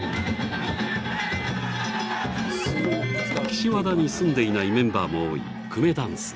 岸和田に住んでいないメンバーも多い、くめだんす。